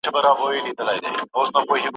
په كوڅو كي يې زموږ پلونه بېګانه دي